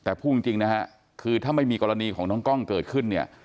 แต่พูดจริงนะฮะคือถ้าไม่มีกรณีของน้องกล้องเกิดขึ้นเนี่ย